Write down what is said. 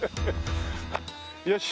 よし！